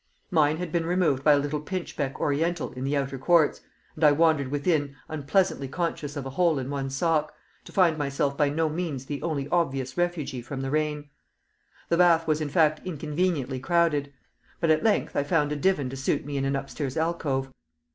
Mine had been removed by a little pinchbeck oriental in the outer courts, and I wandered within unpleasantly conscious of a hole in one sock, to find myself by no means the only obvious refugee from the rain. The bath was in fact inconveniently crowded. But at length I found a divan to suit me in an upstairs alcove.